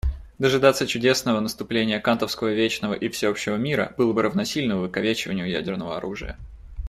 Дожидаться чудесного наступления кантовского вечного и всеобщего мира было бы равносильно увековечению ядерного оружия.